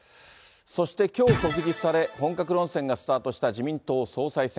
そして、きょう告示され、本格論戦がスタートした自民党総裁選。